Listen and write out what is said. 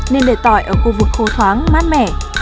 nên để tỏi ở khu vực khô thoáng mát mẻ